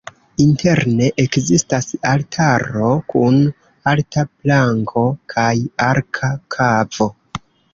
Interne, ekzistas altaro kun alta planko kaj arka kavo.